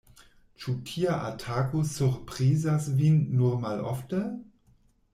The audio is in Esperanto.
Ĉu tia atako surprizas vin nur malofte?